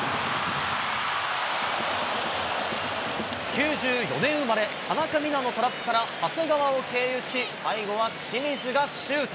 ９４年生まれ、田中美南のトラップから長谷川を経由し、最後は清水がシュート。